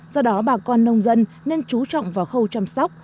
do đó bà con nông dân nên chú trọng vào khâu chăm sóc